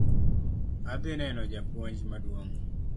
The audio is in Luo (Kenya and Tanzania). Adhi neno japuonj maduong'